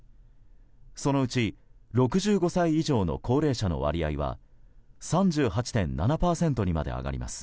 そのうち６５歳以上の高齢者の割合は３８．７％にまで上がります。